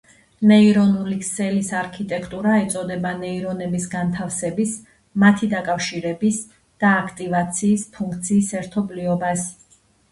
ნეირონული ქსელის არქიტექტურა ეწოდება ნეირონების განთავსების, მათი დაკავშირების და აქტივაციის ფუნქციის ერთობლიობას.